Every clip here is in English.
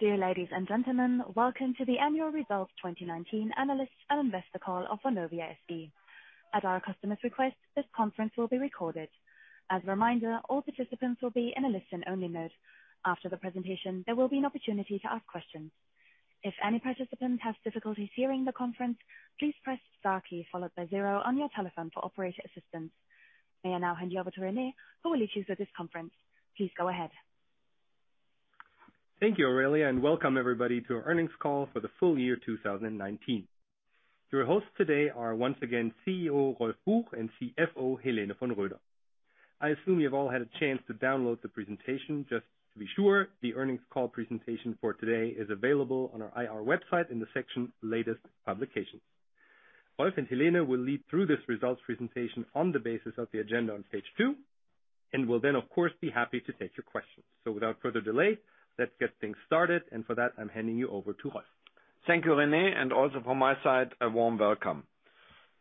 Dear ladies and gentlemen, welcome to the annual results 2019 analyst investor call of Vonovia SE. At our customer's request, this conference will be recorded. As a reminder, all participants will be in a listen-only mode. After the presentation, there will be an opportunity to ask questions. If any participant has difficulties hearing the conference, please press star key followed by zero on your telephone for operator assistance. May I now hand you over to Rene, who will lead you through this conference. Please go ahead. Thank you, Aurelia, and welcome everybody to our earnings call for the full year 2019. Your hosts today are once again CEO Rolf Buch and CFO Helene von Roeder. I assume you've all had a chance to download the presentation just to be sure the earnings call presentation for today is available on our IR website in the section latest publications. Rolf and Helene will lead through this results presentation on the basis of the agenda on page two, and will then of course, be happy to take your questions. Without further delay, let's get things started, and for that, I'm handing you over to Rolf. Thank you, Rene. Also from my side a warm welcome.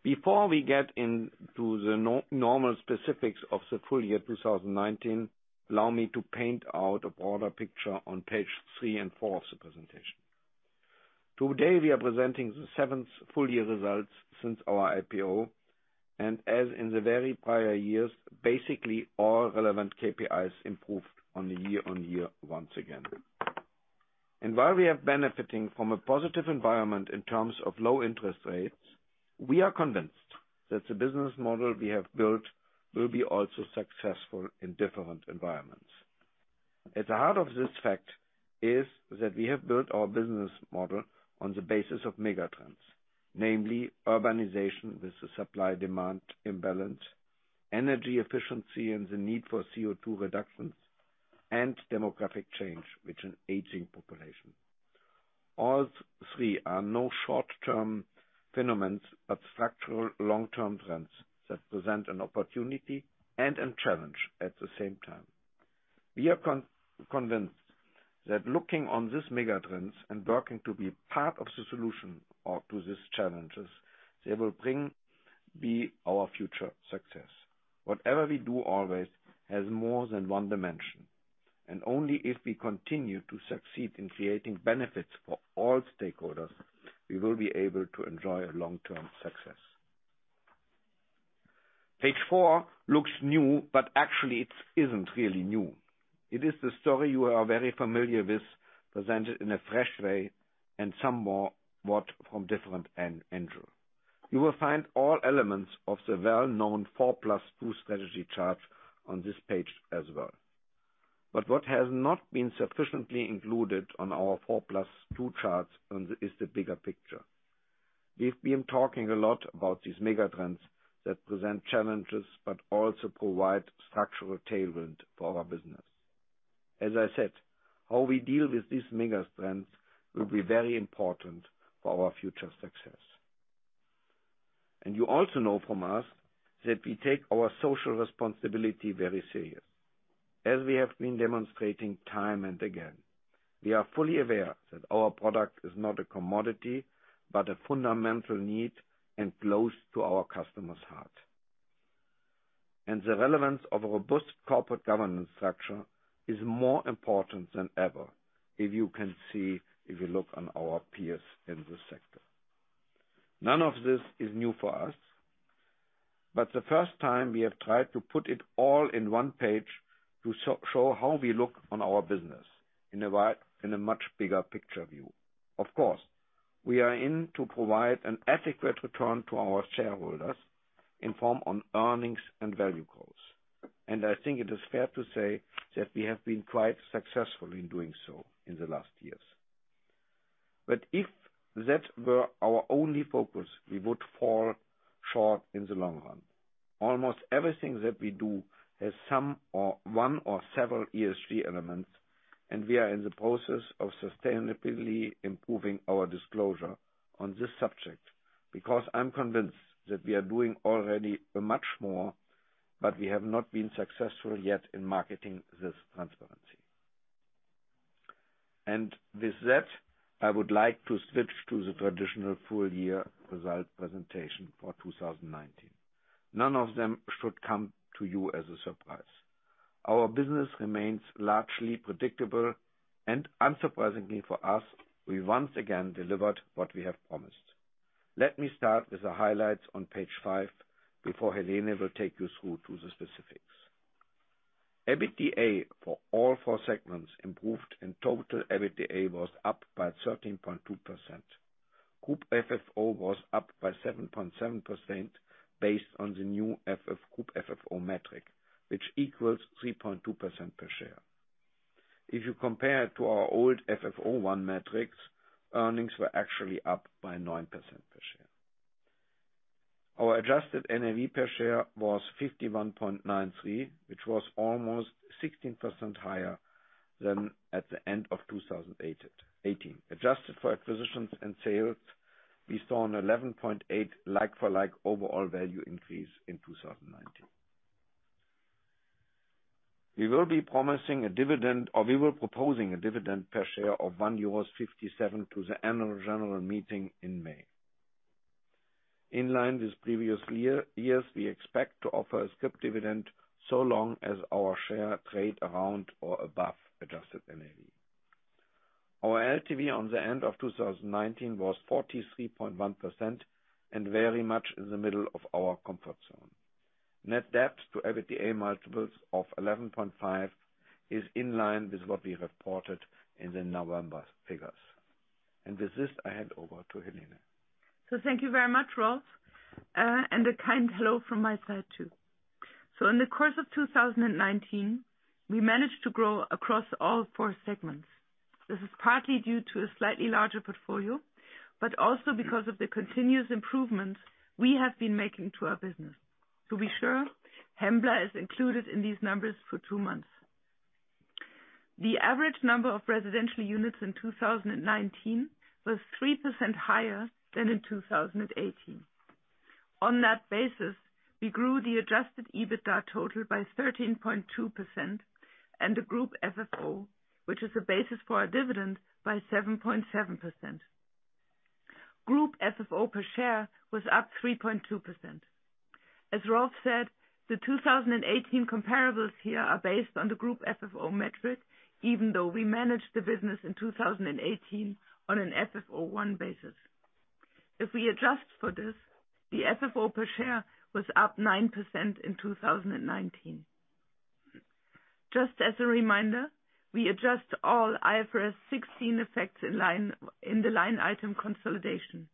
Before we get into the normal specifics of the full year 2019, allow me to paint out a broader picture on page three and four of the presentation. Today we are presenting the seventh full year results since our IPO, and as in the very prior years, basically all relevant KPIs improved on a year-on-year once again. While we are benefiting from a positive environment in terms of low interest rates, we are convinced that the business model we have built will be also successful in different environments. At the heart of this fact is that we have built our business model on the basis of megatrends, namely urbanization with the supply-demand imbalance, energy efficiency and the need for CO2 reductions, and demographic change with an aging population. All three are no short-term phenomena, but structural long-term trends that present an opportunity and a challenge at the same time. We are convinced that looking on these megatrends and working to be part of the solution or to these challenges, they will be our future success. Whatever we do always has more than one dimension. Only if we continue to succeed in creating benefits for all stakeholders, we will be able to enjoy long-term success. Page four looks new, but actually it isn't really new. It is the story you are very familiar with presented in a fresh way and somewhat from different angle. You will find all elements of the well-known four plus two strategy chart on this page as well. What has not been sufficiently included on our four plus two charts is the bigger picture. We've been talking a lot about these megatrends that present challenges, but also provide structural tailwind for our business. As I said, how we deal with these megatrends will be very important for our future success. You also know from us that we take our social responsibility very serious. As we have been demonstrating time and again. We are fully aware that our product is not a commodity, but a fundamental need and close to our customers' heart. The relevance of a robust corporate governance structure is more important than ever if you look on our peers in this sector. None of this is new for us, the first time we have tried to put it all in one page to show how we look on our business in a much bigger picture view. Of course, we are in to provide an adequate return to our shareholders in form on earnings and value calls. I think it is fair to say that we have been quite successful in doing so in the last years. If that were our only focus, we would fall short in the long run. Almost everything that we do has some or one or several ESG elements, and we are in the process of sustainably improving our disclosure on this subject. I'm convinced that we are doing already much more, but we have not been successful yet in marketing this transparency. With that, I would like to switch to the traditional full year result presentation for 2019. None of them should come to you as a surprise. Our business remains largely predictable and unsurprisingly for us, we once again delivered what we have promised. Let me start with the highlights on page five before Helene will take you through to the specifics. EBITDA for all four segments improved and total EBITDA was up by 13.2%. Group FFO was up by 7.7% based on the new Group FFO metric, which equals 3.2% per share. If you compare it to our old FFO 1 metrics, earnings were actually up by 9% per share. Our Adjusted NAV per share was 51.93, which was almost 16% higher than at the end of 2018. Adjusted for acquisitions and sales, we saw an 11.8 like-for-like overall value increase in 2019. We will be promising a dividend, or we will proposing a dividend per share of 1.57 euros to the annual general meeting in May. In line with previous years, we expect to offer a scrip dividend so long as our shares trade around or above Adjusted NAV. Our LTV on the end of 2019 was 43.1% and very much in the middle of our comfort zone. Net Debt to EBITDA multiples of 11.5 is in line with what we reported in the November figures. With this, I hand over to Helene. Thank you very much, Rolf, and a kind hello from my side, too. In the course of 2019, we managed to grow across all four segments. This is partly due to a slightly larger portfolio, but also because of the continuous improvements we have been making to our business. To be sure, Hembla is included in these numbers for two months. The average number of residential units in 2019 was 3% higher than in 2018. On that basis, we grew the Adjusted EBITDA total by 13.2% and the Group FFO, which is the basis for our dividend, by 7.7%. Group FFO per share was up 3.2%. As Rolf said, the 2018 comparables here are based on the Group FFO metric, even though we managed the business in 2018 on an FFO 1 basis. If we adjust for this, the FFO per share was up 9% in 2019. Just as a reminder, we adjust all IFRS 16 effects in the line item consolidation.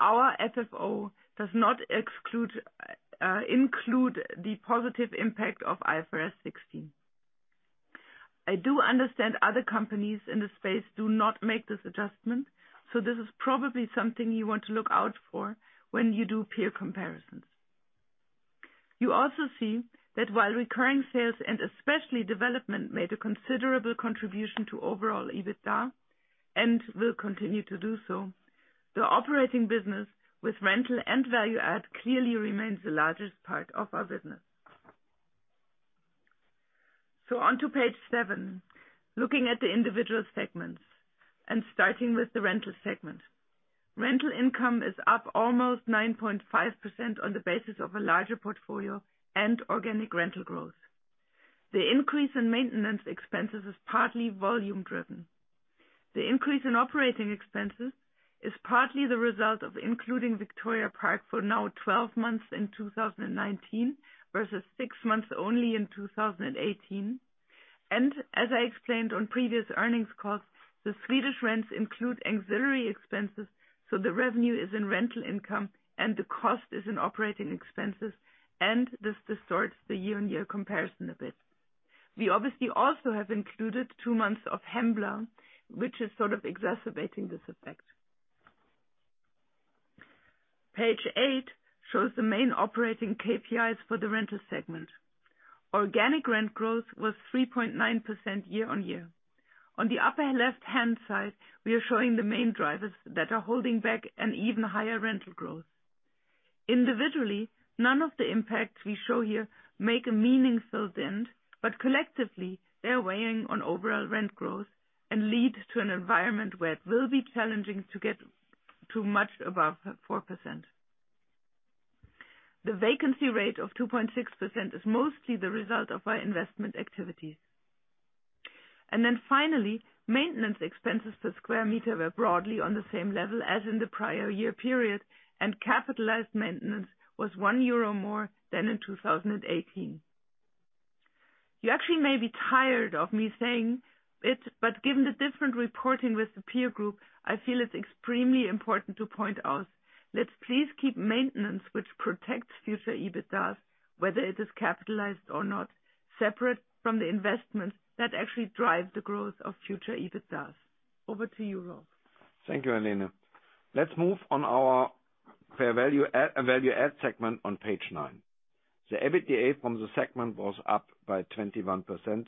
Our FFO does not include the positive impact of IFRS 16. I do understand other companies in this space do not make this adjustment, so this is probably something you want to look out for when you do peer comparisons. You also see that while Recurring Sales and especially Development made a considerable contribution to overall EBITDA and will continue to do so, the operating business with rental and Value-add clearly remains the largest part of our business. On to page seven, looking at the individual segments and starting with the rental segment. Rental income is up almost 9.5% on the basis of a larger portfolio and organic rental growth. The increase in maintenance expenses is partly volume driven. The increase in operating expenses is partly the result of including Victoria Park for now 12 months in 2019, versus six months only in 2018. As I explained on previous earnings calls, the Swedish rents include auxiliary expenses, so the revenue is in rental income and the cost is in operating expenses, and this distorts the year-on-year comparison a bit. We obviously also have included two months of Hembla, which is sort of exacerbating this effect. Page eight shows the main operating KPIs for the rental segment. Organic rent growth was 3.9% year-on-year. On the upper left-hand side, we are showing the main drivers that are holding back an even higher rental growth. Individually, none of the impacts we show here make a meaningful dent, but collectively, they are weighing on overall rent growth and lead to an environment where it will be challenging to get too much above 4%. The vacancy rate of 2.6% is mostly the result of our investment activities. Finally, maintenance expenses per sq m were broadly on the same level as in the prior year period, capitalized maintenance was 1 euro more than in 2018. You actually may be tired of me saying it, but given the different reporting with the peer group, I feel it's extremely important to point out, let's please keep maintenance, which protects future EBITDAs, whether it is capitalized or not, separate from the investments that actually drive the growth of future EBITDAs. Over to you, Rolf. Thank you, Helene. Let's move on our Value-add segment on page nine. The EBITDA from the segment was up by 21%,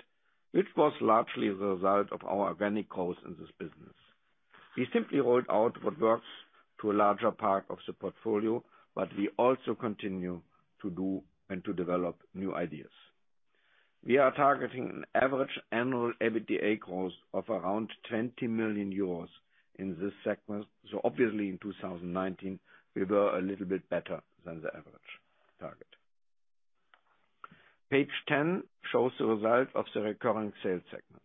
which was largely the result of our organic growth in this business. We simply rolled out what works to a larger part of the portfolio, but we also continue to do and to develop new ideas. We are targeting an average annual EBITDA growth of around 20 million euros in this segment. Obviously in 2019, we were a little bit better than the average target. Page 10 shows the result of the Recurring Sales segment.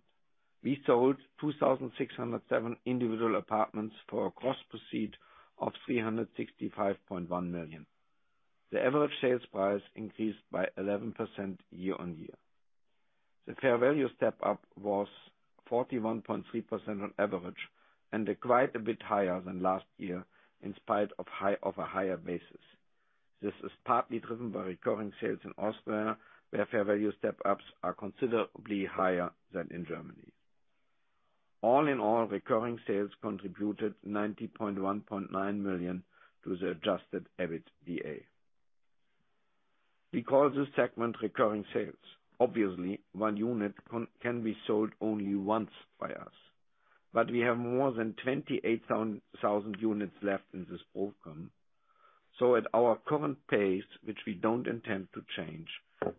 We sold 2,607 individual apartments for a gross proceed of 365.1 million. The average sales price increased by 11% year-on-year. The fair value step-up was 41.3% on average, and quite a bit higher than last year in spite of a higher basis. This is partly driven by Recurring Sales in Austria, where fair value step-ups are considerably higher than in Germany. All in all, Recurring Sales contributed EUR 90.1.9 million to the Adjusted EBITDA. We call this segment Recurring Sales. One unit can be sold only once by us. We have more than 28,000 units left in this portfolio. At our current pace, which we don't intend to change,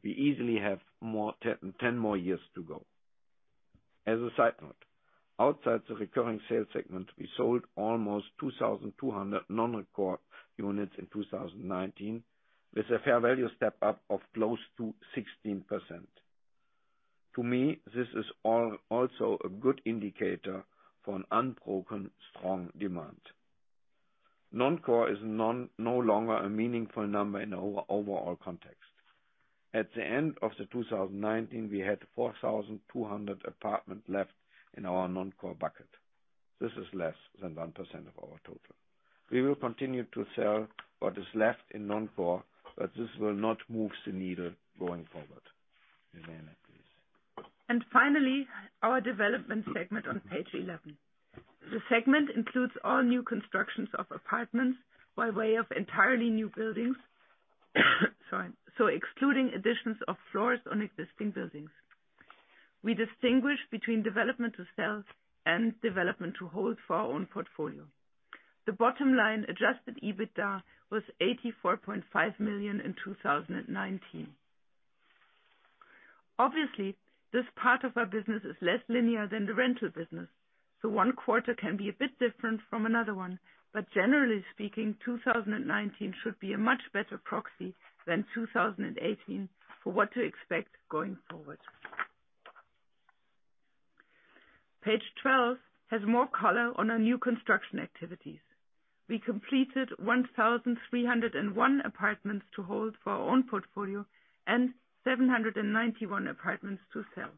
we easily have 10 more years to go. As a side note, outside the Recurring Sales segment, we sold almost 2,200 non-core units in 2019, with a fair value step up of close to 16%. To me, this is also a good indicator for an unbroken strong demand. Non-core is no longer a meaningful number in our overall context. At the end of 2019, we had 4,200 apartments left in our non-core bucket. This is less than 1% of our total. We will continue to sell what is left in non-core, but this will not move the needle going forward. Helene, please. Finally, our Development segment on page 11. The segment includes all new constructions of apartments by way of entirely new buildings. Sorry. Excluding additions of floors on existing buildings. We distinguish between development to sell and development to hold for our own portfolio. The bottom line Adjusted EBITDA was 84.5 million in 2019. This part of our business is less linear than the rental business, so one quarter can be a bit different from another one. Generally speaking, 2019 should be a much better proxy than 2018 for what to expect going forward. Page 12 has more color on our new construction activities. We completed 1,301 apartments to hold for our own portfolio and 791 apartments to sell.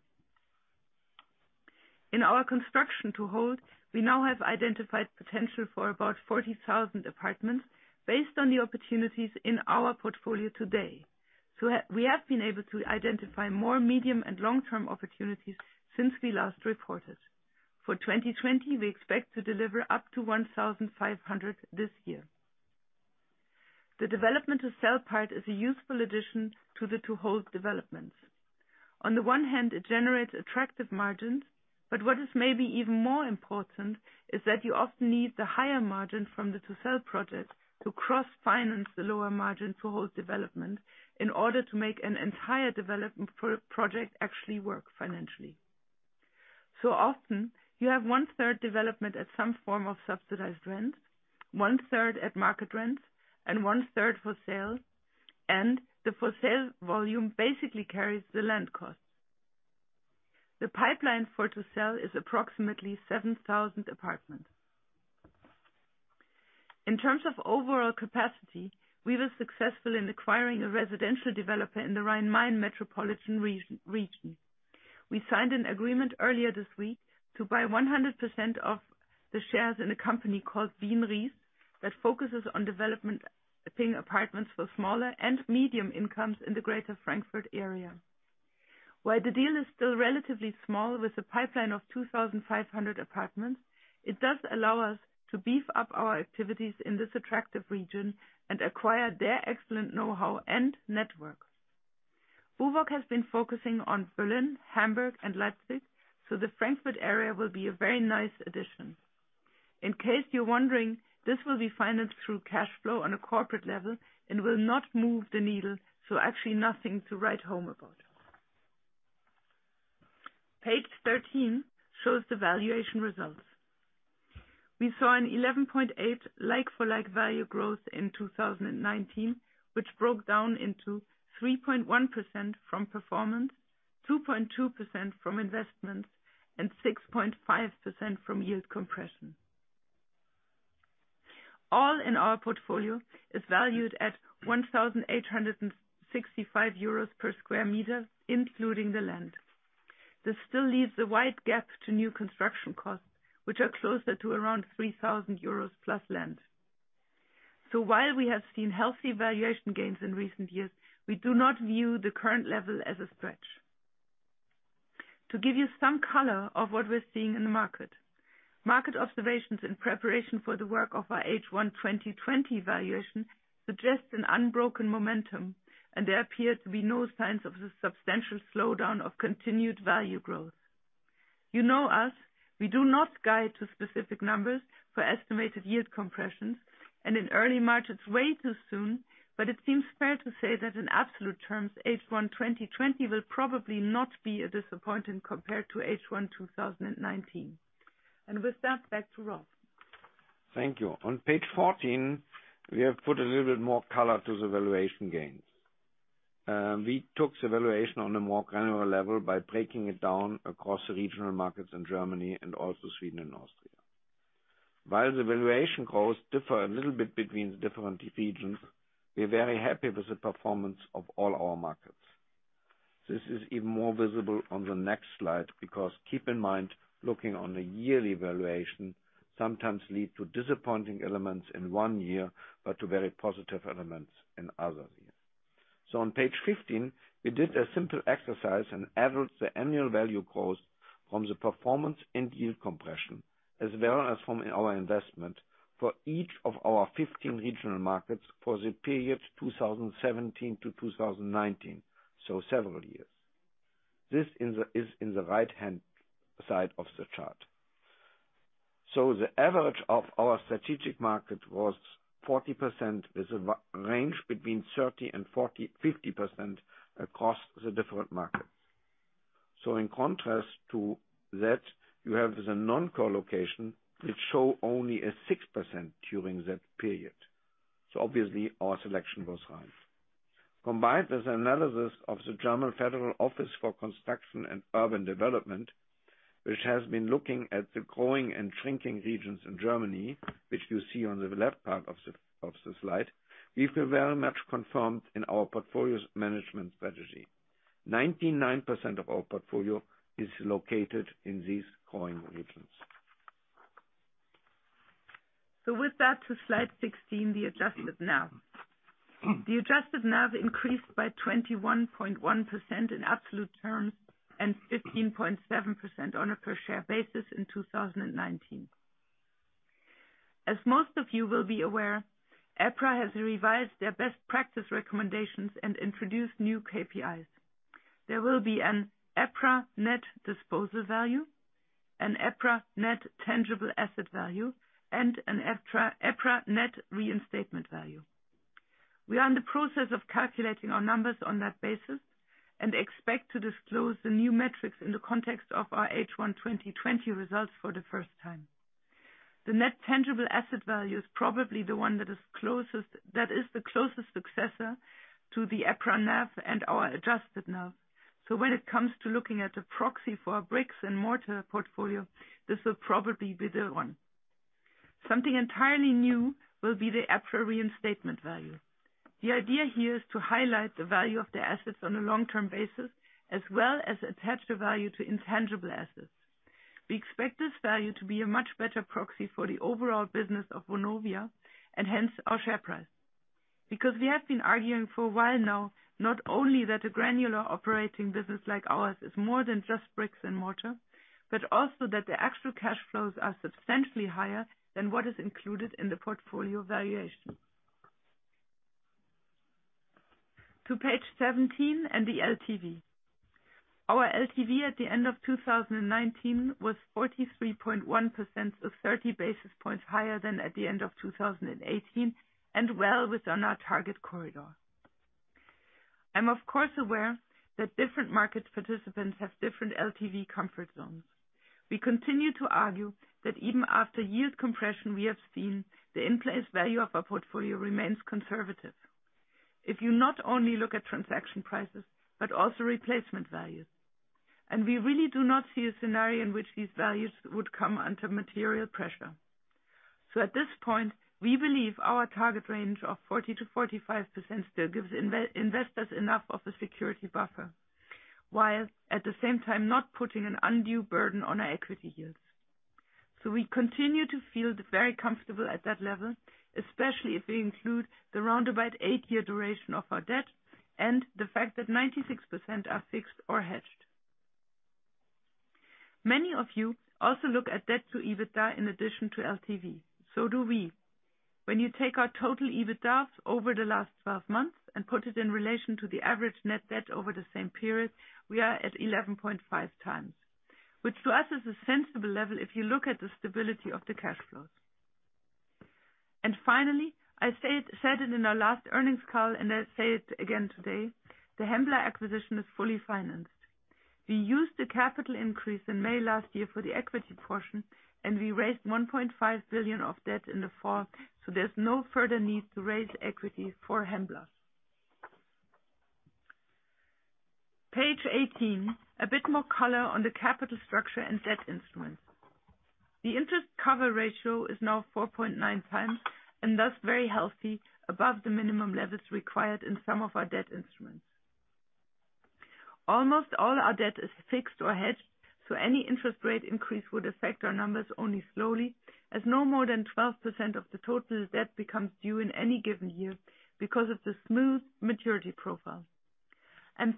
In our construction to hold, we now have identified potential for about 40,000 apartments based on the opportunities in our portfolio today. We have been able to identify more medium and long-term opportunities since we last reported. For 2020, we expect to deliver up to 1,500 this year. The Development to sell part is a useful addition to the to-hold developments. On the one hand, it generates attractive margins, but what is maybe even more important is that you often need the higher margin from the to-sell project to cross-finance the lower margin to hold development in order to make an entire Development project actually work financially. Often you have one-third Development at some form of subsidized rent, one-third at market rents, and one-third for sale, and the for sale volume basically carries the land costs. The pipeline for to sell is approximately 7,000 apartments. In terms of overall capacity, we were successful in acquiring a residential developer in the Rhine-Main metropolitan region. We signed an agreement earlier this week to buy 100% of the shares in a company called Bien-Ries that focuses on developing apartments for smaller and medium incomes in the greater Frankfurt area. While the deal is still relatively small with a pipeline of 2,500 apartments, it does allow us to beef up our activities in this attractive region and acquire their excellent knowhow and networks. Vonovia has been focusing on Berlin, Hamburg, and Leipzig, so the Frankfurt area will be a very nice addition. In case you're wondering, this will be financed through cash flow on a corporate level and will not move the needle, so actually nothing to write home about. Page 13 shows the valuation results. We saw an 11.8% like-for-like value growth in 2019, which broke down into 3.1% from performance, 2.2% from investments, and 6.5% from yield compression. All in our portfolio is valued at 1,865 euros per sq m, including the land. This still leaves a wide gap to new construction costs, which are closer to around 3,000 euros plus land. While we have seen healthy valuation gains in recent years, we do not view the current level as a stretch. To give you some color of what we're seeing in the market observations in preparation for the work of our H1 2020 valuation suggests an unbroken momentum, and there appear to be no signs of a substantial slowdown of continued value growth. You know us, we do not guide to specific numbers for estimated yield compressions, and in early March it's way too soon, but it seems fair to say that in absolute terms, H1 2020 will probably not be as disappointing compared to H1 2019. With that, back to Rolf. Thank you. On page 14, we have put a little bit more color to the valuation gains. We took the valuation on a more granular level by breaking it down across the regional markets in Germany and also Sweden and Austria. While the valuation goals differ a little bit between the different regions, we are very happy with the performance of all our markets. This is even more visible on the next slide because keep in mind, looking on a yearly valuation sometimes lead to disappointing elements in one year, but to very positive elements in other years. On page 15, we did a simple exercise and averaged the annual value growth from the performance and yield compression, as well as from our investment for each of our 15 regional markets for the period 2017-2019, so several years. This is in the right-hand side of the chart. The average of our strategic market was 40%, with a range between 30% and 50% across the different markets. In contrast to that, you have the non-core location, which show only a 6% during that period. Obviously our selection was right. Combined with analysis of the German Federal Office for Building and Regional Planning, which has been looking at the growing and shrinking regions in Germany, which you see on the left part of the slide. We feel very much confirmed in our portfolio's management strategy. 99% of our portfolio is located in these growing regions. With that, to slide 16, the Adjusted NAV. The Adjusted NAV increased by 21.1% in absolute terms and 15.7% on a per share basis in 2019. As most of you will be aware, EPRA has revised their best practice recommendations and introduced new KPIs. There will be an EPRA Net Disposal Value, an EPRA Net Tangible Asset Value, and an EPRA Net Reinstatement Value. We are in the process of calculating our numbers on that basis and expect to disclose the new metrics in the context of our H1 2020 results for the first time. The Net Tangible Asset Value is probably the one that is the closest successor to the EPRA NAV and our Adjusted NAV. When it comes to looking at a proxy for our bricks and mortar portfolio, this will probably be the one. Something entirely new will be the EPRA Net Reinstatement Value. The idea here is to highlight the value of the assets on a long-term basis, as well as attach the value to intangible assets. We expect this value to be a much better proxy for the overall business of Vonovia, and hence our share price. We have been arguing for a while now, not only that a granular operating business like ours is more than just bricks and mortar, but also that the actual cash flows are substantially higher than what is included in the portfolio valuation. To page 17 and the LTV. Our LTV at the end of 2019 was 43.1%, so 30 basis points higher than at the end of 2018, and well within our target corridor. I'm of course aware that different market participants have different LTV comfort zones. We continue to argue that even after yield compression we have seen, the in-place value of our portfolio remains conservative. If you not only look at transaction prices, but also replacement values. We really do not see a scenario in which these values would come under material pressure. At this point, we believe our target range of 40%-45% still gives investors enough of a security buffer, while at the same time not putting an undue burden on our equity yields. We continue to feel very comfortable at that level, especially if we include the roundabout eight-year duration of our debt and the fact that 96% are fixed or hedged. Many of you also look at debt to EBITDA in addition to LTV. Do we. When you take our total EBITDA over the last 12 months and put it in relation to the average net debt over the same period, we are at 11.5 times, which to us is a sensible level if you look at the stability of the cash flows. Finally, I said it in our last earnings call and I say it again today, the Hembla acquisition is fully financed. We used the capital increase in May last year for the equity portion. We raised 1.5 billion of debt in the fall, there's no further need to raise equity for Hembla. Page 18, a bit more color on the capital structure and debt instruments. The Interest Coverage Ratio is now 4.9 times, thus very healthy, above the minimum levels required in some of our debt instruments. Almost all our debt is fixed or hedged, so any interest rate increase would affect our numbers only slowly, as no more than 12% of the total debt becomes due in any given year because of the smooth maturity profile.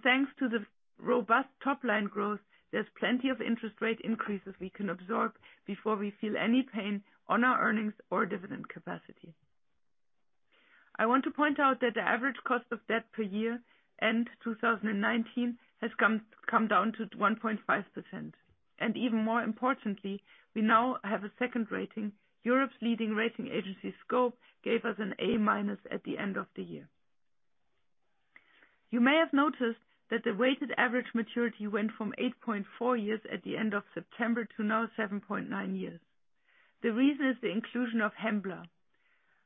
Thanks to the robust top-line growth, there's plenty of interest rate increases we can absorb before we feel any pain on our earnings or dividend capacity. I want to point out that the average cost of debt per year end 2019 has come down to 1.5%. Even more importantly, we now have a second rating. Europe's leading rating agency, Scope, gave us an A- at the end of the year. You may have noticed that the weighted average maturity went from 8.4 years at the end of September to now 7.9 years. The reason is the inclusion of Hembla.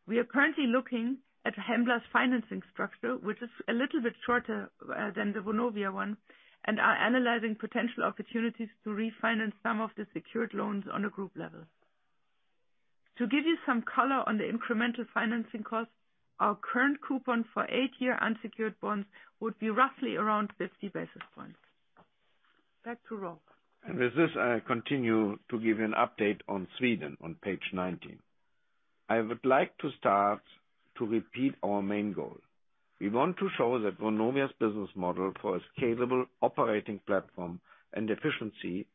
We are currently looking at Hembla's financing structure, which is a little bit shorter than the Vonovia one, and are analyzing potential opportunities to refinance some of the secured loans on a group level. To give you some color on the incremental financing cost, our current coupon for eight-year unsecured bonds would be roughly around 50 basis points. Back to Rolf. With this, I continue to give you an update on Sweden on page 19. I would like to start to repeat our main goal. We want to show that Vonovia's business model for a scalable operating platform and efficiency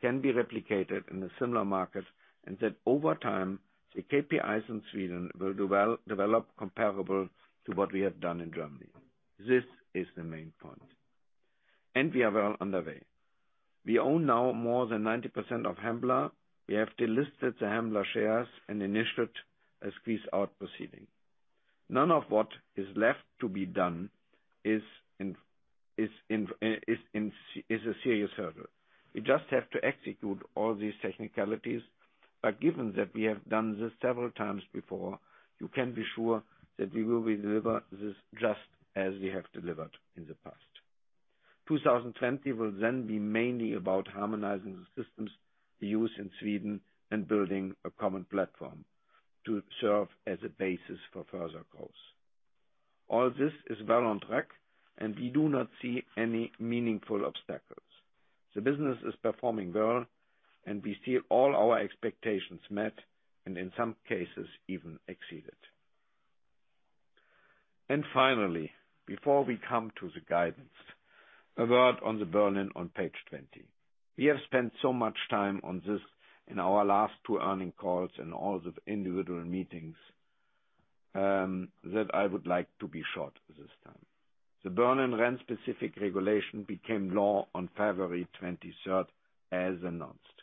can be replicated in a similar market, and that over time, the KPIs in Sweden will develop comparable to what we have done in Germany. This is the main point. We are well underway. We own now more than 90% of Hembla. We have delisted the Hembla shares and initiated a squeeze out proceeding. None of what is left to be done is a serious hurdle. We just have to execute all these technicalities. Given that we have done this several times before, you can be sure that we will deliver this just as we have delivered in the past. 2020 will be mainly about harmonizing the systems we use in Sweden and building a common platform to serve as a basis for further cause. All this is well on track, we do not see any meaningful obstacles. The business is performing well, we see all our expectations met, and in some cases even exceeded. Finally, before we come to the guidance, a word on the Berlin on page 20. We have spent so much time on this in our last two earning calls and all the individual meetings, that I would like to be short this time. The Berlin rent specific regulation became law on February 23rd, as announced.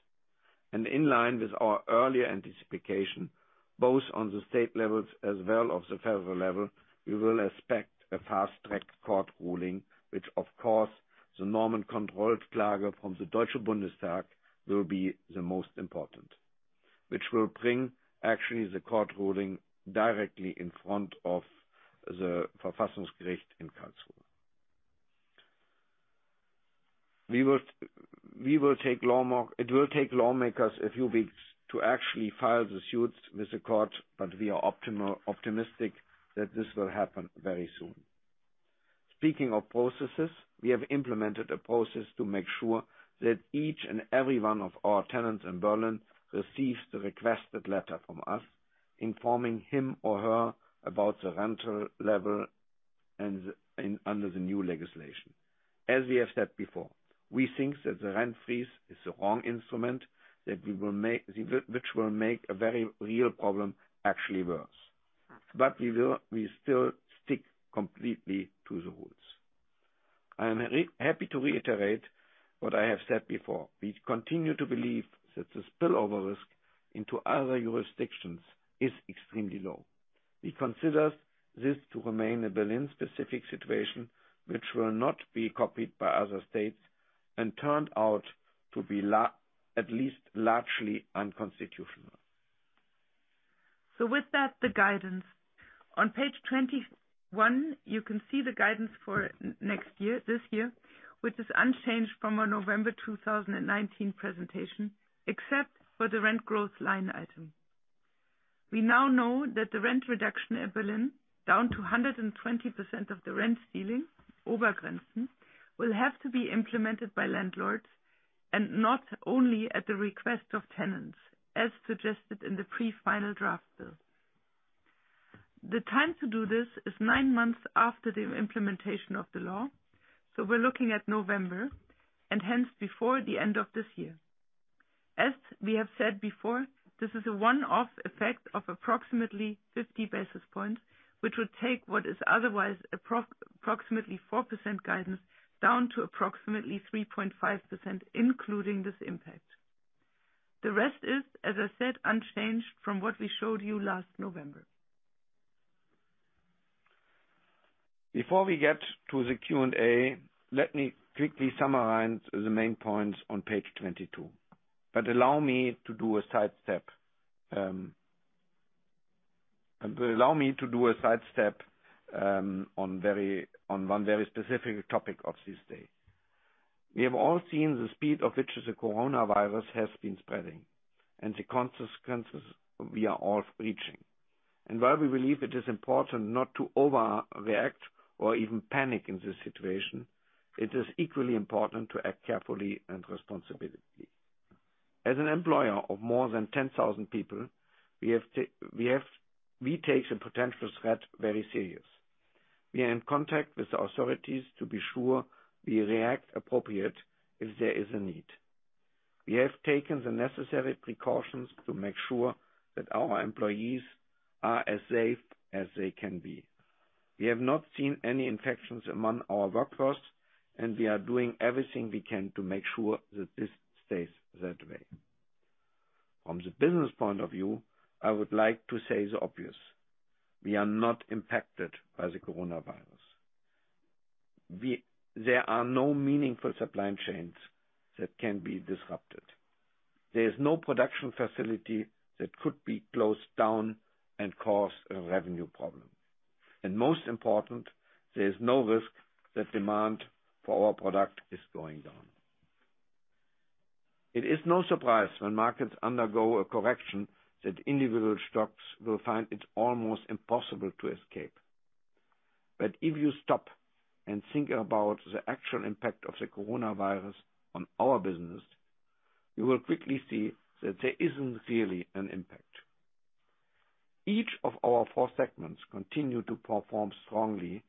In line with our earlier anticipation, both on the state levels as well of the federal level, we will expect a fast-track court ruling, which of course, the Normenkontrollklage from the German Bundestag will be the most important. Which will bring actually the court ruling directly in front of the in Karlsruhe. It will take lawmakers a few weeks to actually file the suits with the court, we are optimistic that this will happen very soon. Speaking of processes, we have implemented a process to make sure that each and every one of our tenants in Berlin receives the requested letter from us, informing him or her about the rental level under the new legislation. As we have said before, we think that the rent freeze is the wrong instrument, which will make a very real problem actually worse. We still stick completely to the rules. I am happy to reiterate what I have said before. We continue to believe that the spillover risk into other jurisdictions is extremely low. We consider this to remain a Berlin-specific situation, which will not be copied by other states and turned out to be at least largely unconstitutional. With that, the guidance. On page 21, you can see the guidance for this year, which is unchanged from our November 2019 presentation, except for the rent growth line item. We now know that the rent reduction at Berlin, down to 120% of the rent ceiling, Obergrenzen, will have to be implemented by landlords and not only at the request of tenants, as suggested in the pre-final draft bill. The time to do this is nine months after the implementation of the law, we're looking at November, and hence before the end of this year. As we have said before, this is a one-off effect of approximately 50 basis points, which would take what is otherwise approximately 4% guidance down to approximately 3.5%, including this impact. The rest is, as I said, unchanged from what we showed you last November. Before we get to the Q&A, let me quickly summarize the main points on page 22. Allow me to do a sidestep on one very specific topic of this day. We have all seen the speed of which the coronavirus has been spreading, and the consequences we are all reaching. While we believe it is important not to overreact or even panic in this situation, it is equally important to act carefully and responsibly. As an employer of more than 10,000 people, we take the potential threat very seriously. We are in contact with the authorities to be sure we react appropriately if there is a need. We have taken the necessary precautions to make sure that our employees are as safe as they can be. We have not seen any infections among our workforce, and we are doing everything we can to make sure that this stays that way. From the business point of view, I would like to say the obvious. We are not impacted by the coronavirus. There are no meaningful supply chains that can be disrupted. There is no production facility that could be closed down and cause a revenue problem. Most important, there is no risk that demand for our product is going down. It is no surprise when markets undergo a correction that individual stocks will find it almost impossible to escape. If you stop and think about the actual impact of the coronavirus on our business, you will quickly see that there isn't really an impact. Each of our four segments continue to perform strongly.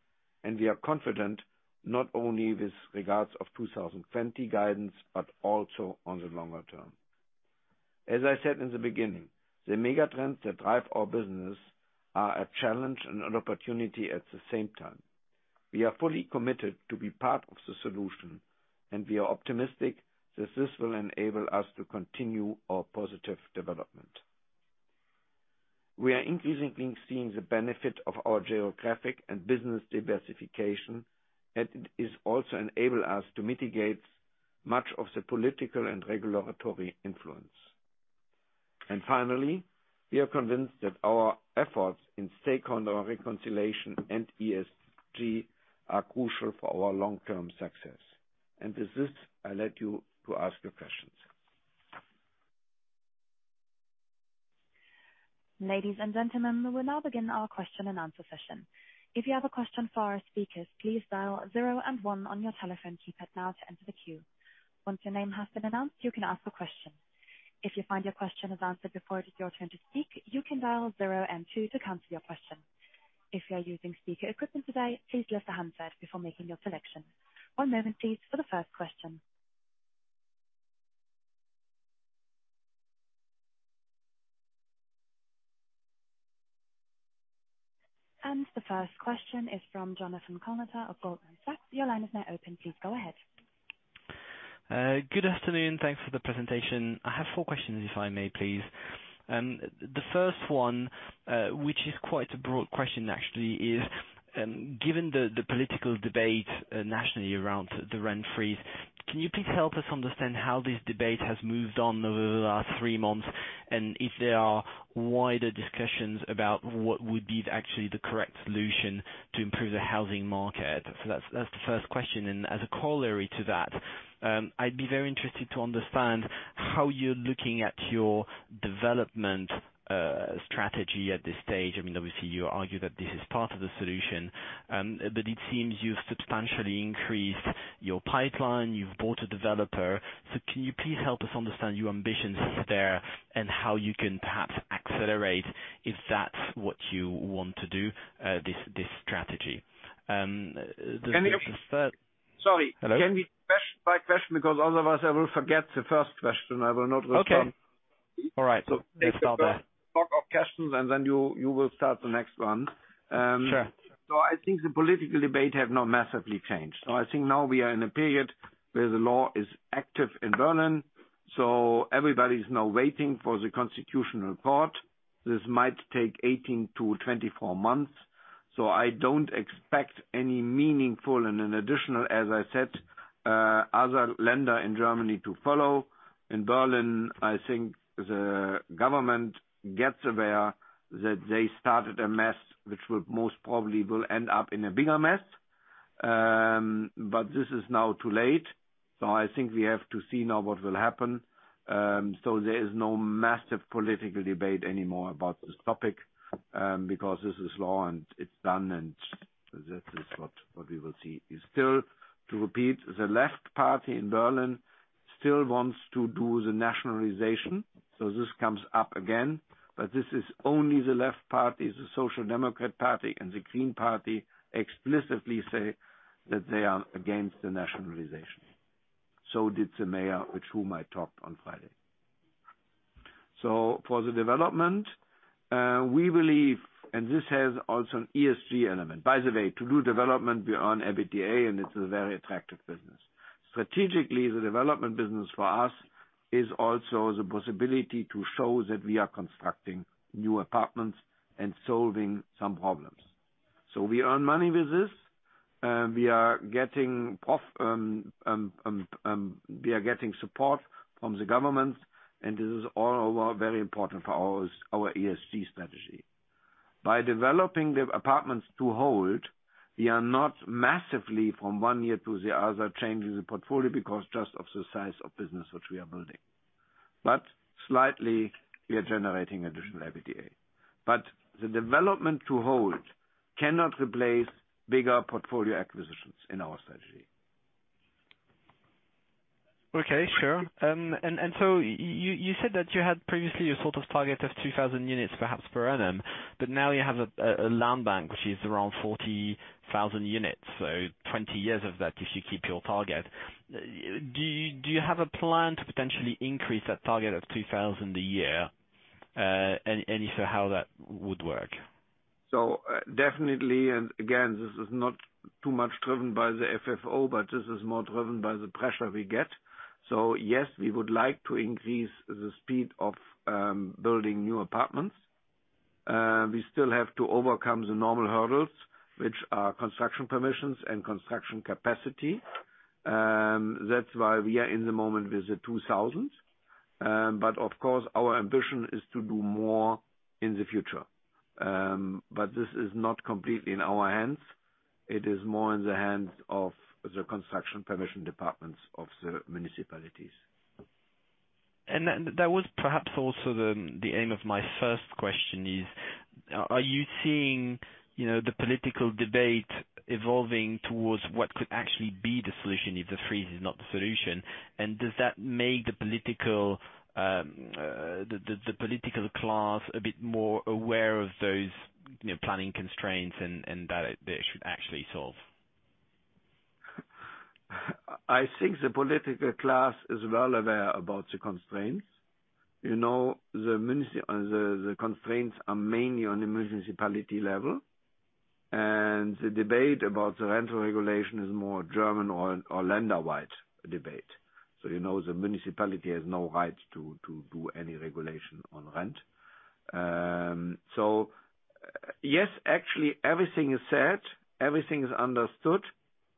We are confident not only with regards of 2020 guidance, but also on the longer term. As I said in the beginning, the mega trends that drive our business are a challenge and an opportunity at the same time. We are fully committed to be part of the solution. We are optimistic that this will enable us to continue our positive development. We are increasingly seeing the benefit of our geographic and business diversification. It is also enable us to mitigate much of the political and regulatory influence. Finally, we are convinced that our efforts in stakeholder reconciliation and ESG are crucial for our long-term success. With this, I let you to ask your questions. Ladies and gentlemen, we will now begin our question and answer session. If you have a question for our speakers, please dial zero and one on your telephone keypad now to enter the queue. Once your name has been announced, you can ask a question. If you find your question is answered before it is your turn to speak, you can dial zero and two to cancel your question. If you are using speaker equipment today, please lift the handset before making your selection. One moment please, for the first question. The first question is from Jonathan Kownator of Goldman Sachs. Your line is now open. Please go ahead. Good afternoon. Thanks for the presentation. I have four questions, if I may please. The first one, which is quite a broad question actually, is, given the political debate nationally around the rent freeze, can you please help us understand how this debate has moved on over the last three months? If there are wider discussions about what would be actually, the correct solution to improve the housing market. That's the first question. As a corollary to that, I'd be very interested to understand how you're looking at your Development strategy at this stage. Obviously, you argue that this is part of the solution, but it seems you've substantially increased your pipeline, you've bought a developer. Can you please help us understand your ambitions there and how you can perhaps accelerate if that's what you want to do, this strategy? Sorry. Hello? Can we question by question, because otherwise I will forget the first question. I will not respond. Okay. All right. Let's start there. Block of questions, and then you will start the next one. Sure. I think the political debate have not massively changed. I think now we are in a period where the law is active in Berlin, so everybody is now waiting for the Constitutional Court. This might take 18-24 months. I don't expect any meaningful and an additional, as I said other Länder in Germany to follow. In Berlin, I think the government gets aware that they started a mess, which will most probably end up in a bigger mess. This is now too late. I think we have to see now what will happen. There is no massive political debate anymore about this topic, because this is law and it's done and this is what we will see. Still to repeat, The Left in Berlin still wants to do the nationalization. This comes up again, but this is only the Left Party, the Social Democrat Party, and the Green Party explicitly say that they are against the nationalization. Did the mayor with whom I talked on Friday. For the Development, we believe, and this has also an ESG element. By the way, to do Development, we earn EBITDA, and it's a very attractive business. Strategically, the Development business for us is also the possibility to show that we are constructing new apartments and solving some problems. We earn money with this. We are getting support from the government, and this is all very important for our ESG strategy. By developing the apartments to hold, we are not massively from one year to the other changing the portfolio because just of the size of business which we are building. Slightly, we are generating additional EBITDA. The Development to hold cannot replace bigger portfolio acquisitions in our strategy. Okay. Sure. You said that you had previously a sort of target of 2,000 units perhaps per annum, but now you have a land bank which is around 40,000 units. 20 years of that, if you keep your target. Do you have a plan to potentially increase that target of 2,000 a year? If so, how that would work? Definitely, and again, this is not too much driven by the FFO, but this is more driven by the pressure we get. Yes, we would like to increase the speed of building new apartments. We still have to overcome the normal hurdles, which are construction permissions and construction capacity. That's why we are in the moment with the 2,000s. Of course, our ambition is to do more in the future. This is not completely in our hands. It is more in the hands of the construction permission departments of the municipalities. That was perhaps also the aim of my first question is, are you seeing the political debate evolving towards what could actually be the solution if the freeze is not the solution? Does that make the political class a bit more aware of those planning constraints and that they should actually solve? I think the political class is well aware about the constraints. The constraints are mainly on the municipality level, and the debate about the rental regulation is more German or Länder-wide debate. The municipality has no right to do any regulation on rent. Yes, actually, everything is said, everything is understood,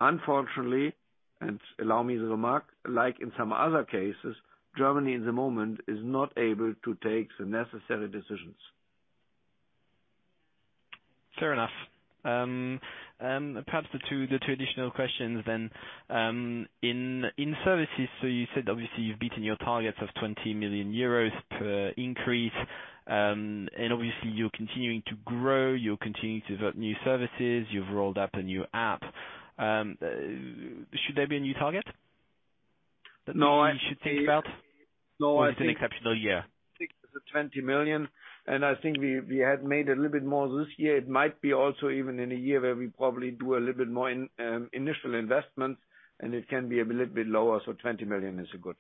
unfortunately, and allow me to remark, like in some other cases, Germany in the moment is not able to take the necessary decisions. Fair enough. Perhaps the two additional questions then. In services, you said obviously you've beaten your targets of 20 million euros per increase, and obviously you're continuing to grow, you're continuing to develop new services, you've rolled out a new app. Should there be a new target that we should think about? No, I think- Is it an exceptional year? I think it's the 20 million, and I think we had made a little bit more this year. It might be also even in a year where we probably do a little bit more initial investment, and it can be a little bit lower, so 20 million is a good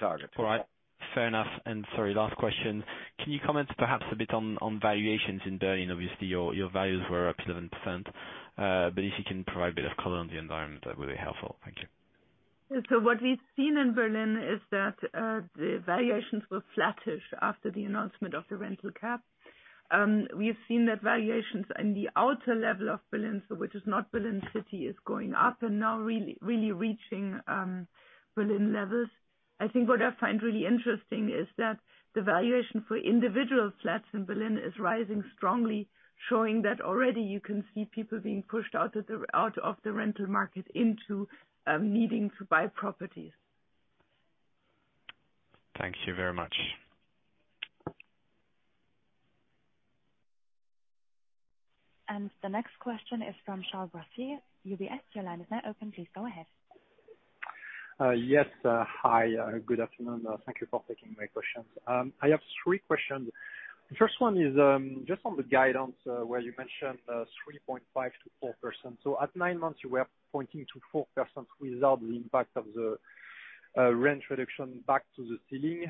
target. All right. Fair enough. Sorry, last question. Can you comment perhaps a bit on valuations in Berlin? Obviously, your values were up 11%. If you can provide a bit of color on the environment, that would be helpful. Thank you. What we've seen in Berlin is that the valuations were flattish after the announcement of the rental cap. We have seen that valuations in the outer level of Berlin, so which is not Berlin city, is going up and now really reaching Berlin levels. I think what I find really interesting is that the valuation for individual flats in Berlin is rising strongly, showing that already you can see people being pushed out of the rental market into needing to buy properties. Thank you very much. The next question is from Charles Boissier, UBS. Your line is now open. Please go ahead. Yes. Hi, good afternoon. Thank you for taking my questions. I have three questions. The first one is just on the guidance where you mentioned 3.5%-4%. At nine months, you were pointing to 4% without the impact of the rent reduction back to the ceiling,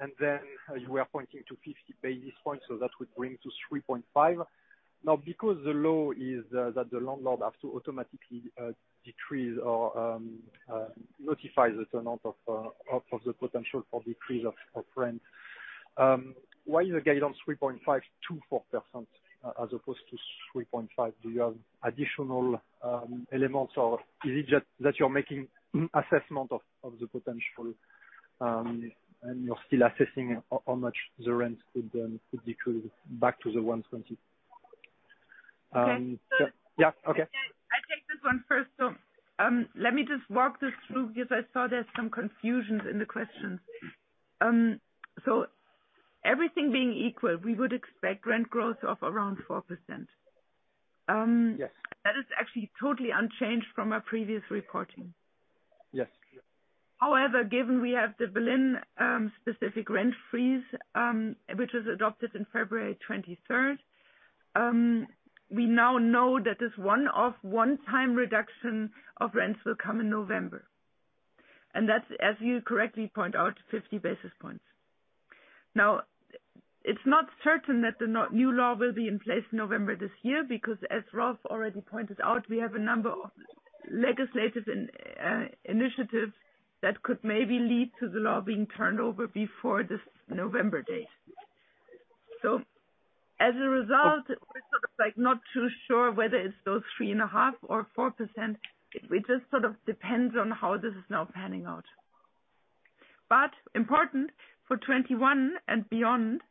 and then you were pointing to 50 basis points, so that would bring to 3.5%. Because the law is that the landlord has to automatically decrease or notify the tenant of the potential for decrease of rent. Why is the guidance 3.5%-4% as opposed to 3.5%? Do you have additional elements, or is it just that you're making assessment of the potential, and you're still assessing how much the rent could decrease? I'll take this one first. Let me just walk this through because I saw there's some confusions in the question. Everything being equal, we would expect rent growth of around 4%. Yes. That is actually totally unchanged from our previous reporting. Yes. However, given we have the Berlin specific rent freeze, which was adopted in February 23rd, we now know that this one-off, one-time reduction of rents will come in November. That's, as you correctly point out, 50 basis points. It's not certain that the new law will be in place November this year, because as Rolf already pointed out, we have a number of legislative initiatives that could maybe lead to the law being turned over before this November date. As a result, we're sort of not too sure whether it's those 3.5% or 4%. It just sort of depends on how this is now panning out. Important for 2021 and beyond,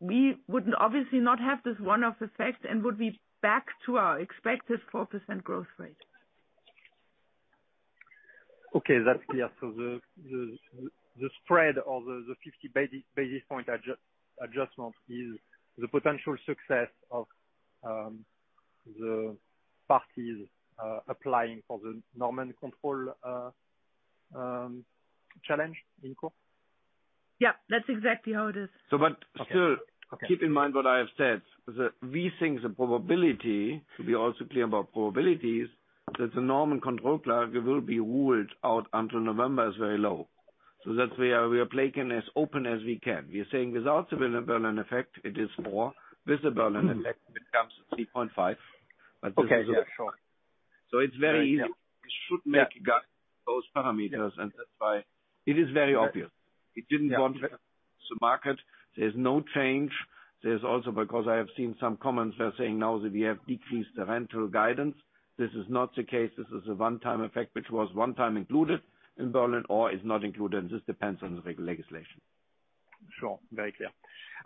we would obviously not have this one-off effect and would be back to our expected 4% growth rate. Okay, that's clear. The spread of the 50 basis points adjustment is the potential success of the parties applying for the Normenkontrollklage in court? Yeah, that's exactly how it is. So but still- Okay Keep in mind what I have said. We think the probability, to be also clear about probabilities, that the Normenkontrollklage will be ruled out until November is very low. That's why we are playing as open as we can. We are saying without the Berlin effect, it is four. With the Berlin effect, it becomes 3.5. Okay. Sure. It's very easy. We should make those parameters. That's why it is very obvious. It didn't go to the market. There's no change. There's also because I have seen some comments where saying now that we have decreased the rental guidance. This is not the case. This is a one-time effect, which was one time included in Berlin or is not included. This depends on the legislation. Sure. Very clear.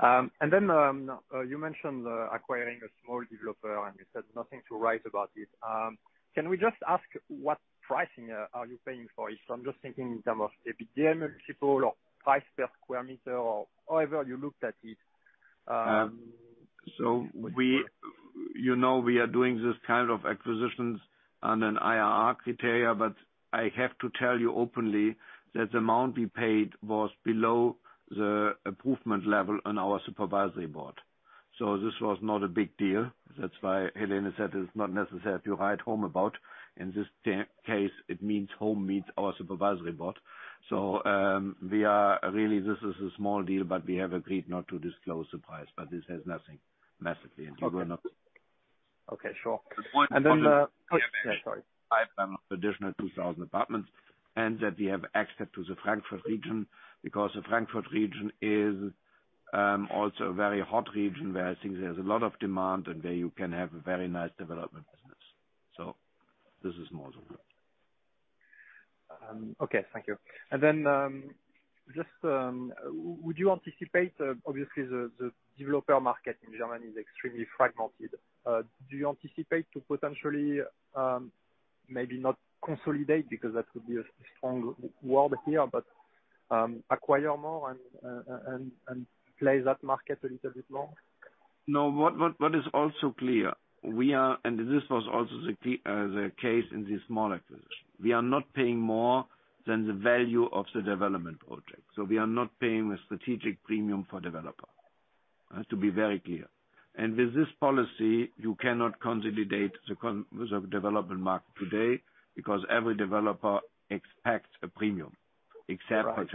You mentioned acquiring a small developer, and you said nothing to write about it. Can we just ask what pricing are you paying for it? I'm just thinking in terms of EBITDA multiple or price per square meter or however you looked at it. We are doing this kind of acquisitions on an IRR criteria, but I have to tell you openly that the amount we paid was below the improvement level on our supervisory board. This was not a big deal. That's why Helene said it's not necessary to write home about. In this case, home means our supervisory board. Really this is a small deal, but we have agreed not to disclose the price. This has nothing massively. Okay. Sure. Yeah, sorry. Additional 2,000 apartments, and that we have access to the Frankfurt region, because the Frankfurt region is also a very hot region where I think there's a lot of demand and where you can have a very nice Development business. This is more the point. Okay, thank you. Would you anticipate, obviously the developer market in Germany is extremely fragmented, do you anticipate to potentially, maybe not consolidate, because that would be a strong word here, but acquire more and play that market a little bit more? No. What is also clear, this was also the case in this small acquisition. We are not paying more than the value of the development project. We are not paying a strategic premium for developer. To be very clear. With this policy, you cannot consolidate the development market today because every developer expects a premium. Except for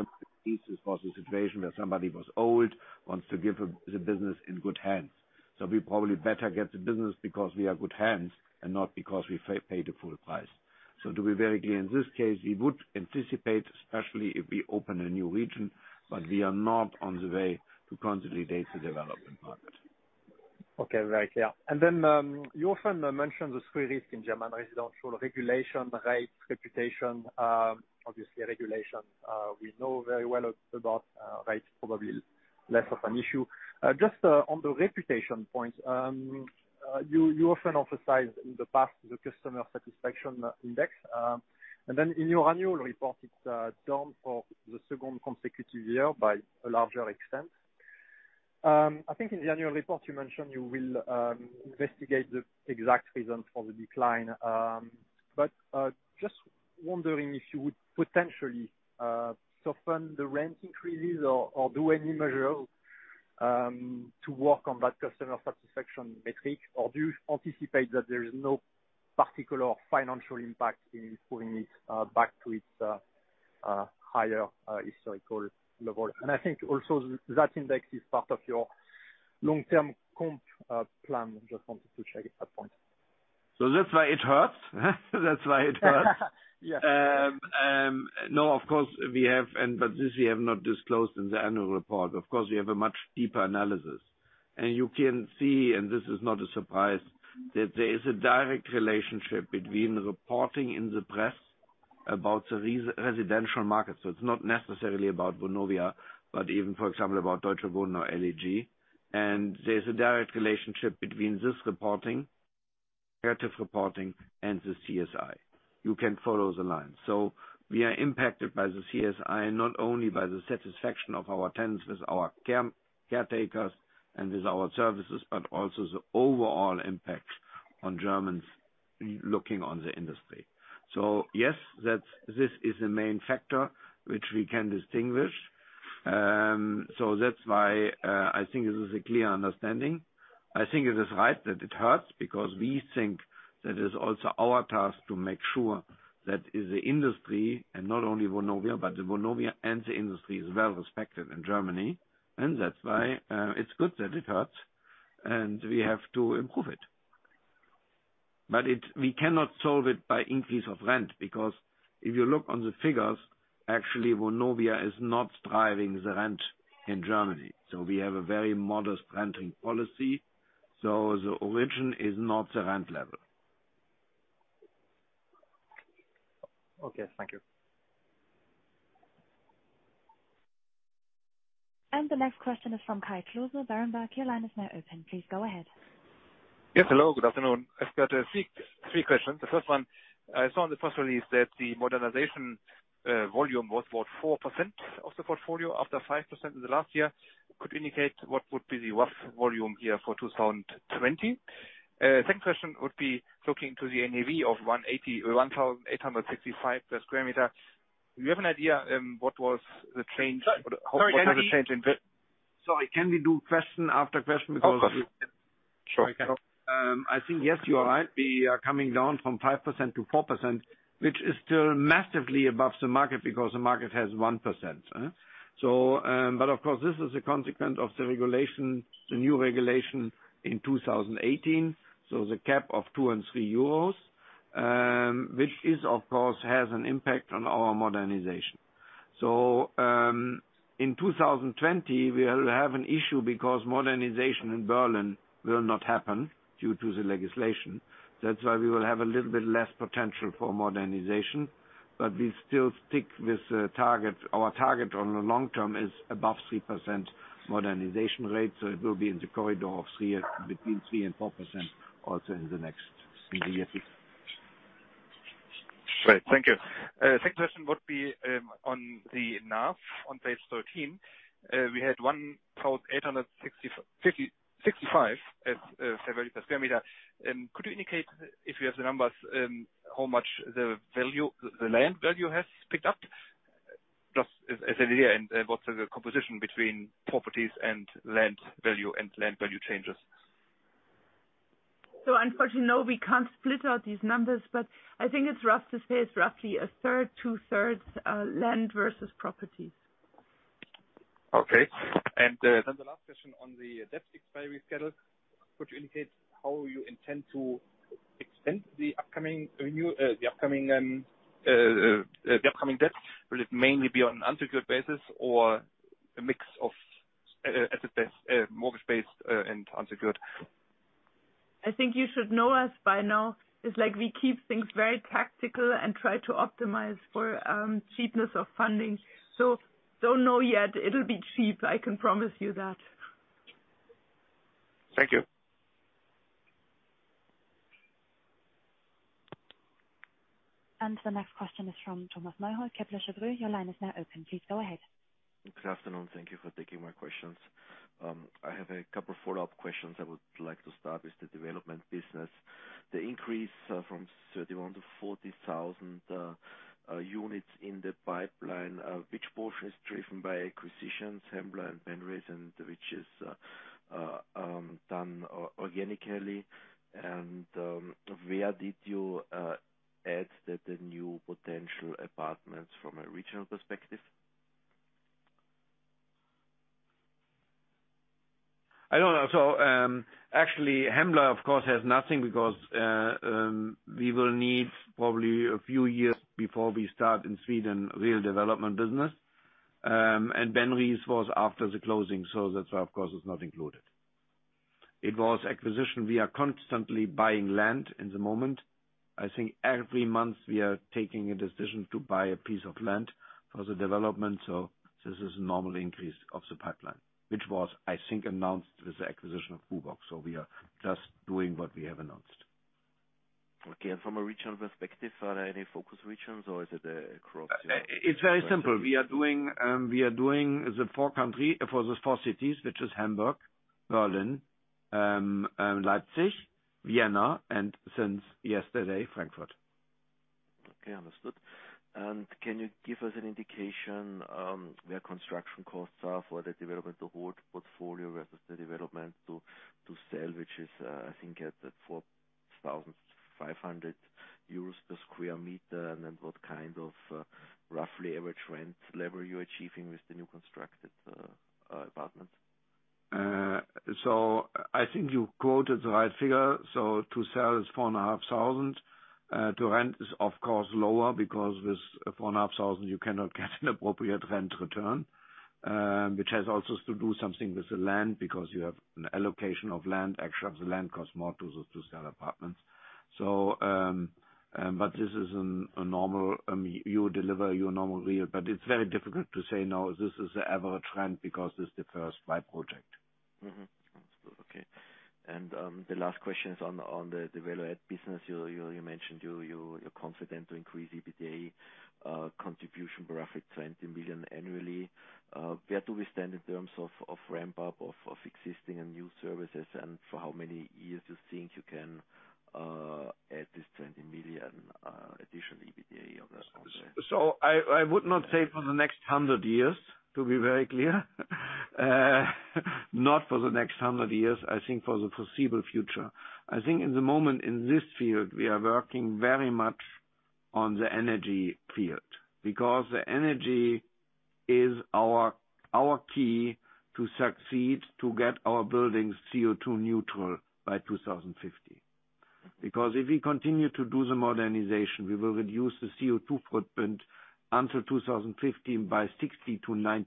pieces for the situation where somebody was old, wants to give the business in good hands. We probably better get the business because we are good hands and not because we pay the full price. To be very clear, in this case, we would anticipate, especially if we open a new region, but we are not on the way to consolidate the development market. Okay. Very clear. You often mention the three risks in German residential regulation, rates, reputation. Regulation, we know very well about rates, probably less of an issue. Just on the reputation point, you often emphasize in the past, the customer satisfaction index, in your annual report, it's down for the second consecutive year by a larger extent. I think in the annual report you mentioned you will investigate the exact reason for the decline. Just wondering if you would potentially soften the rent increases or do any measure to work on that customer satisfaction metric, or do you anticipate that there is no particular financial impact in pulling it back to its higher historical level? I think also that index is part of your long-term comp plan. Just wanted to check at that point. That's why it hurts. That's why it hurts. Yeah. No, of course we have, but this we have not disclosed in the annual report. Of course, we have a much deeper analysis. You can see, and this is not a surprise, that there is a direct relationship between reporting in the press about the residential market. It's not necessarily about Vonovia, but even, for example, about Deutsche Wohnen or LEG. There's a direct relationship between this reporting, narrative reporting, and the CSI. You can follow the line. We are impacted by the CSI, not only by the satisfaction of our tenants with our caretakers and with our services, but also the overall impact on Germans looking on the industry. Yes, this is a main factor which we can distinguish. That's why I think this is a clear understanding. I think it is right that it hurts because we think that it is also our task to make sure that the industry, and not only Vonovia, but Vonovia and the industry is well respected in Germany. That's why it's good that it hurts, and we have to improve it. We cannot solve it by increase of rent, because if you look on the figures, actually Vonovia is not driving the rent in Germany. We have a very modest renting policy. The origin is not the rent level. Okay. Thank you. The next question is from Kai Klose, Berenberg. Your line is now open. Please go ahead. Yes, hello. Good afternoon. I've got three questions. The first one, I saw in the press release that the modernization volume was about 4% of the portfolio after 5% in the last year. Could you indicate what would be the rough volume here for 2020? Second question would be looking to the NAV of 1,865 per square meter. Do you have an idea what was the change in- Sorry, can we do question after question because? Of course. Sure. I think, yes, you are right. We are coming down from 5%-4%, which is still massively above the market because the market has 1%. Of course, this is a consequence of the regulation, the new regulation in 2018. The cap of 2 and 3 euros, which of course, has an impact on our modernization. In 2020, we will have an issue because modernization in Berlin will not happen due to the legislation. That's why we will have a little bit less potential for modernization. We still stick with the target. Our target on the long term is above 3% modernization rate. It will be in the corridor between 3% and 4% also in the year to come. Right. Thank you. Second question would be on the NAV on page 13. We had 1,865 as fair value per square meter. Could you indicate if you have the numbers, how much the land value has picked up, just as an idea, and what's the composition between properties and land value and land value changes? Unfortunately, no, we can't split out these numbers, but I think it's rough to say it's roughly a third, two thirds land versus properties. Okay. The last question on the debt expiry schedule, could you indicate how you intend to extend the upcoming debt? Will it mainly be on an unsecured basis or a mix of mortgage-based and unsecured? I think you should know us by now. It's like we keep things very tactical and try to optimize for cheapness of funding. Don't know yet. It'll be cheap, I can promise you that. Thank you. The next question is from Thomas Neuhold, Kepler Cheuvreux. Your line is now open. Please go ahead. Good afternoon. Thank you for taking my questions. I have a couple follow-up questions. I would like to start with the Development business. The increase from 31-40,000 units in the pipeline, which portion is driven by acquisitions, Hembla and Bien-Ries, and which is done organically? Where did you add the new potential apartments from a regional perspective? I don't know. Actually, Hembla, of course, has nothing because we will need probably a few years before we start in Sweden real Development business. Bien-Ries was after the closing, that's why, of course, it's not included. It was acquisition. We are constantly buying land in the moment. I think every month we are taking a decision to buy a piece of land for the development. This is a normal increase of the pipeline. Which was, I think, announced with the acquisition of BUWOG. We are just doing what we have announced. Okay. From a regional perspective, are there any focus regions or is it? It's very simple. We are doing the four cities, which is Hamburg, Berlin, Leipzig, Vienna, and since yesterday, Frankfurt. Okay, understood. Can you give us an indication where construction costs are for the development of hold portfolio versus the development to sell, which is, I think at 4,500 euros per square meter? Then what kind of roughly average rent level are you achieving with the new constructed apartments? I think you quoted the right figure. To sell is 4,500. To rent is of course lower because with 4,500 you cannot get an appropriate rent return. Which has also to do something with the land because you have an allocation of land, actually of the land costs more to sell apartments. You deliver your normal yield. It's very difficult to say now this is the average rent because this is the first buy project. Understood. Okay. The last question is on the Value-add business. You mentioned you're confident to increase EBITDA contribution by roughly 20 million annually. Where do we stand in terms of ramp up of existing and new services and for how many years you think you can add this 20 million additional EBITDA on that? I would not say for the next 100 years, to be very clear. Not for the next 100 years. I think for the foreseeable future. I think in the moment in this field, we are working very much on the energy field because the energy is our key to succeed to get our buildings CO2 neutral by 2050. If we continue to do the modernization, we will reduce the CO2 footprint until 2015 by 60%-90%.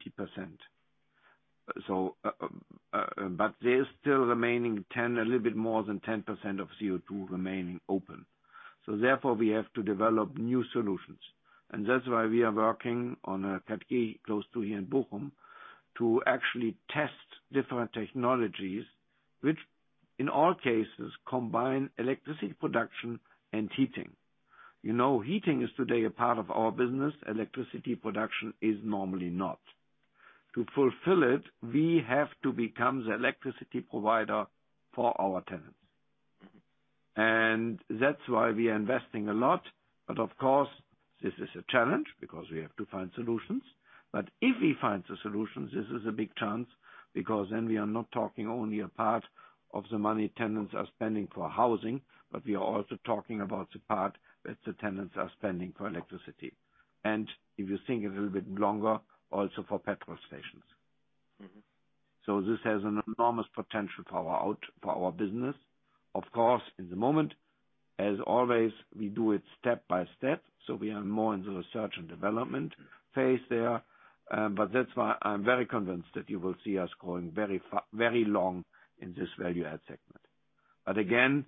There's still remaining 10, a little bit more than 10% of CO2 remaining open. Therefore, we have to develop new solutions. That's why we are working on a category close to here in Bochum to actually test different technologies which in all cases combine electricity production and heating. Heating is today a part of our business. Electricity production is normally not. To fulfill it, we have to become the electricity provider for our tenants. That's why we are investing a lot. Of course, this is a challenge because we have to find solutions. If we find the solutions, this is a big chance, because then we are not talking only a part of the money tenants are spending for housing, but we are also talking about the part that the tenants are spending for electricity. If you think a little bit longer, also for petrol stations. This has an enormous potential power out for our business. Of course, in the moment, as always, we do it step by step. We are more in the research and Development phase there. That's why I'm very convinced that you will see us growing very long in this Value-add segment. Again,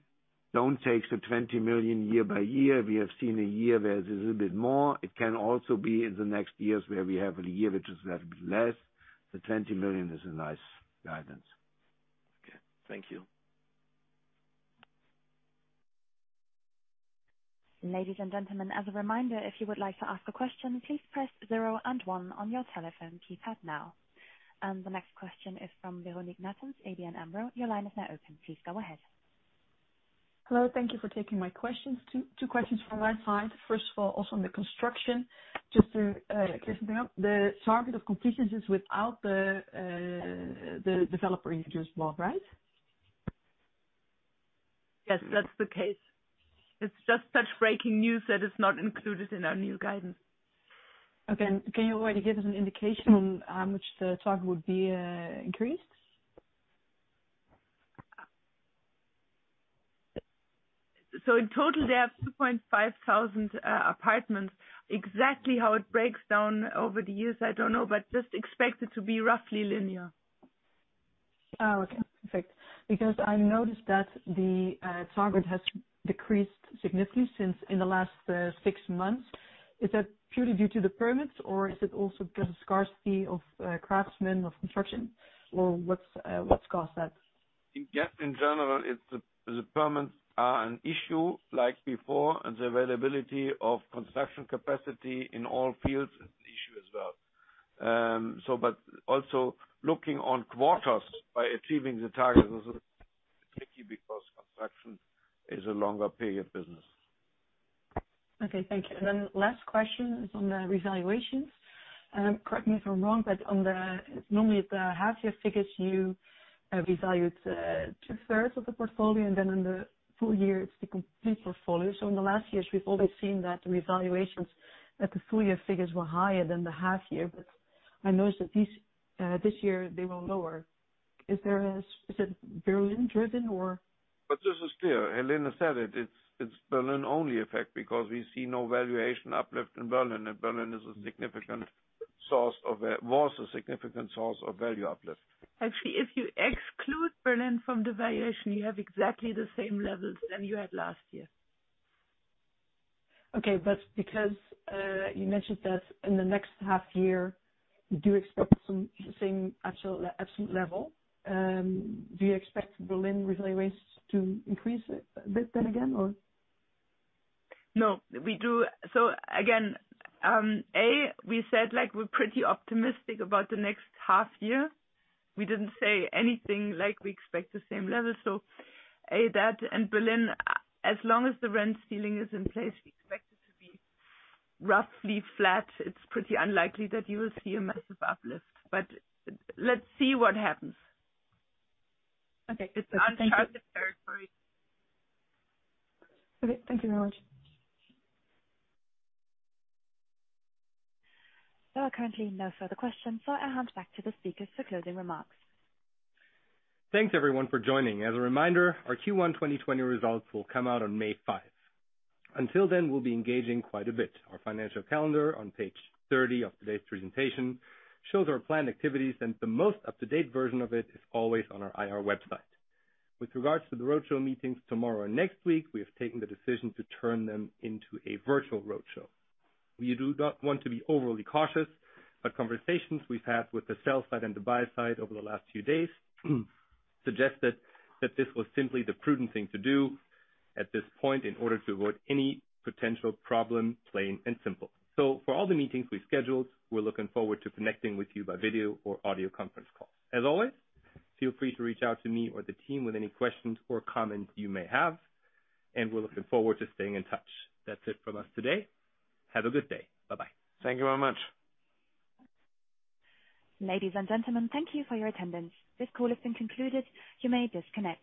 don't take the 20 million year by year. We have seen a year where there's a little bit more. It can also be in the next years where we have a year which is a little bit less. The 20 million is a nice guidance. Okay. Thank you. Ladies and gentlemen, as a reminder, if you would like to ask a question, please press zero and one on your telephone keypad now. The next question is from Véronique Meertens, ABN AMRO. Your line is now open. Please go ahead. Hello. Thank you for taking my questions. Two questions from my side. First of all, also on the construction, just to clear something up. The target of completion is without the developer you just bought, right? Yes, that's the case. It's just such breaking news that it's not included in our new guidance. Okay. Can you already give us an indication on how much the target would be increased? In total, they have 2,500 apartments. Exactly how it breaks down over the years, I don't know, but just expect it to be roughly linear. Oh, okay, perfect. I noticed that the target has decreased significantly since in the last six months. Is that purely due to the permits, or is it also because of scarcity of craftsmen of construction? What's caused that? In general, the permits are an issue like before, and the availability of construction capacity in all fields is an issue as well. Also looking on quarters by achieving the targets is tricky because construction is a longer period business. Okay, thank you. Last question is on the revaluations, correct me if I'm wrong, normally at the half-year figures, you revalued two-thirds of the portfolio, then in the full year, it's the complete portfolio. In the last years, we've always seen that the revaluations at the full year figures were higher than the half-year. I noticed that this year they were lower. Is it Berlin-driven or? This is clear. Helene said it. It's Berlin only effect because we see no valuation uplift in Berlin, and Berlin was a significant source of value uplift. Actually, if you exclude Berlin from the valuation, you have exactly the same levels than you had last year. Okay. Because you mentioned that in the next half year, do you expect the same absolute level? Do you expect Berlin revaluations to increase a bit then again or? No. Again, A, we said we're pretty optimistic about the next half year. We didn't say anything like we expect the same level. A, that, and Berlin, as long as the rent ceiling is in place, we expect it to be roughly flat. It's pretty unlikely that you will see a massive uplift, but let's see what happens. Okay. It's uncharted territory. Okay. Thank you very much. There are currently no further questions. I hand back to the speakers for closing remarks. Thanks everyone for joining. As a reminder, our Q1 2020 results will come out on May 5. Until then, we'll be engaging quite a bit. Our financial calendar on page 30 of today's presentation shows our planned activities, and the most up-to-date version of it is always on our IR website. With regards to the roadshow meetings tomorrow and next week, we have taken the decision to turn them into a virtual roadshow. Conversations we've had with the sell side and the buy side over the last few days suggested that this was simply the prudent thing to do at this point in order to avoid any potential problem, plain and simple. For all the meetings we scheduled, we're looking forward to connecting with you by video or audio conference call. As always, feel free to reach out to me or the team with any questions or comments you may have, and we're looking forward to staying in touch. That's it from us today. Have a good day. Bye-bye. Thank you very much. Ladies and gentlemen, thank you for your attendance. This call has been concluded. You may disconnect.